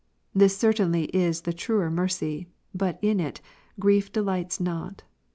This certainly is the truer mercy, but in it, grief delights not.